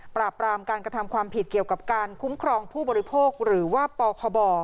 ปราบรามการกระทำความผิดเกี่ยวกับการคุ้มครองผู้บริโภคหรือว่าปคบ